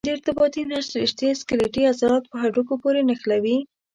د ارتباطي نسج رشتې سکلیټي عضلات په هډوکو پورې نښلوي.